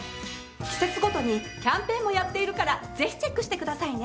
季節ごとにキャンペーンもやっているからぜひチェックしてくださいね。